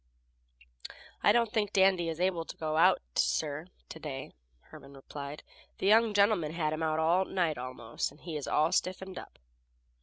"I don't think Dandy is able to go out, sir, to day," Herman replied. "The young gentlemen had him out all night almost, and he is all stiffened up."